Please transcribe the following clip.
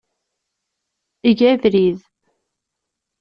Eg abrid.